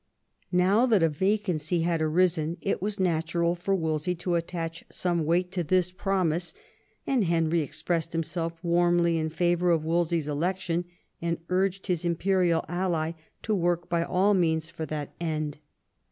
Now that a vacancy had arisen, it was natural for Wolsey to attach some weight to this promise, and Henry expressed himself warmly in favour of Wolsey's election, and urged his imperial ally to work by all means for that end.